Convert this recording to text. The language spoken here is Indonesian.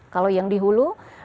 kalau yang di hulu